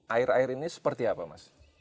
air air ini seperti apa mas